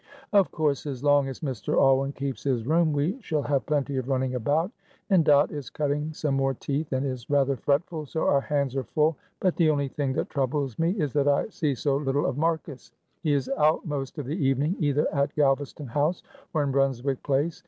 "Of course, as long as Mr. Alwyn keeps his room we shall have plenty of running about, and Dot is cutting some more teeth, and is rather fretful, so our hands are full; but the only thing that troubles me is that I see so little of Marcus. He is out most of the evening, either at Galvaston House or in Brunswick Place.